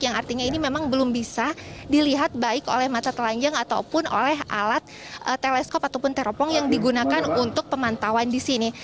yang artinya ini memang belum bisa dilihat baik oleh mata telanjang ataupun oleh alat teleskop ataupun teropong yang digunakan untuk pemantauan di sini